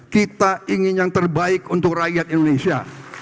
kita ingin yang terbaik untuk rakyat indonesia